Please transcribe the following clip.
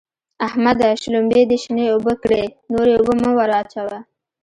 احمده! شلومبې دې شنې اوبه کړې؛ نورې اوبه مه ور اچوه.